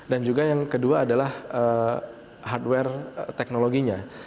dan juga yang kedua adalah hardware teknologinya